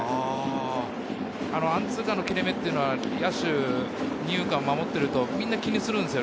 アンツーカーの切れ目というのは、二遊間を守っていると、みんな気にするんです。